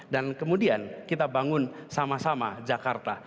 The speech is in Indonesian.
dan kemudian kita bangun sama sama jakarta